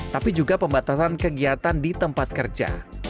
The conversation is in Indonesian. tapi juga pembatasan kegiatan di tempat kerja